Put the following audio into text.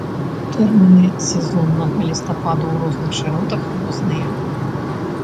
Тэрміны сезоннага лістападу ў розных шыротах розныя.